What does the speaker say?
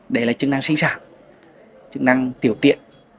đấy là chức năng sinh sản chức năng tiểu tiện